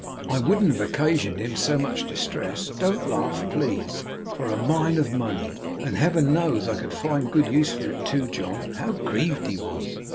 I wouldn't have occasioned him so much distress don't laugh, please for a mine of money; and Heaven knows I could find good use for it too, John. How grieved he was!